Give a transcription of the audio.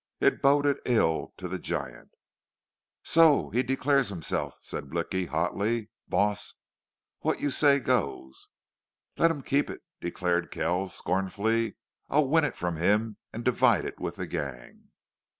It boded ill to the giant. "So he declares himself," said Blicky, hotly. "Boss, what you say goes." "Let him keep it," declared Kells, scornfully. "I'll win it from him and divide it with the gang."